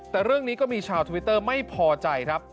แต่เรื่องนี้ก็มีชาวทวิตเตอร์ไม่พอใจครับ